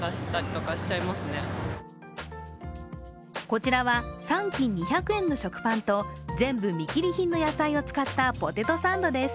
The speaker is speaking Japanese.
こちらは３斤２００円の食パンと全部見切り品の野菜を使ったポテトサンドです。